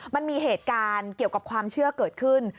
มันมีเหตุการณ์เกี่ยวกับความเชื่อเกิดขึ้น